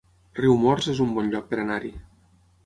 Riumors es un bon lloc per anar-hi